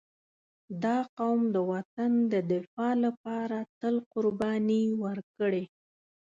• دا قوم د وطن د دفاع لپاره تل قرباني ورکړې.